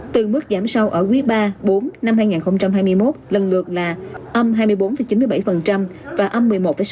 từ mức giảm sâu ở quý iii iv năm hai nghìn hai mươi một lần lượt là âm hai mươi bốn chín mươi bảy và âm một mươi một sáu mươi bốn